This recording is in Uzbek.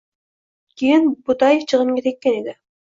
Keyin Bo‘taev jig‘imga tekkan edi